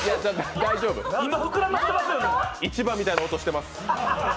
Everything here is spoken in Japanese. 市場みたいな音してます。